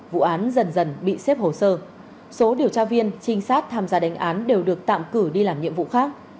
vụ án dần dần bị xếp hồ sơ số điều tra viên trinh sát tham gia đánh án đều được tạm cử đi làm nhiệm vụ khác